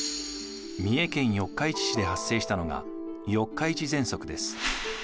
三重県四日市市で発生したのが四日市ぜんそくです。